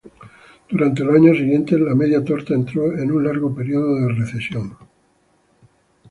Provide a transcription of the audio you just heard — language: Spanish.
Durante los años siguientes, "La Media Torta" entró en un largo período de recesión.